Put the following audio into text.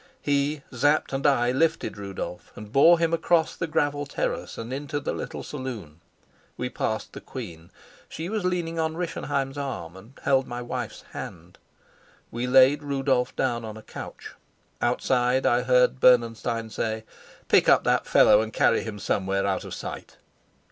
He, Sapt and I lifted Rudolf and bore him across the gravel terrace and into the little saloon. We passed the queen. She was leaning on Rischenheim's arm, and held my wife's hand. We laid Rudolf down on a couch. Outside I heard Bernenstein say, "Pick up that fellow and carry him somewhere out of sight."